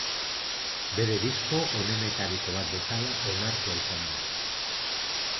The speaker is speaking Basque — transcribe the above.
Bere disko onenetariko bat bezala onartua izan da.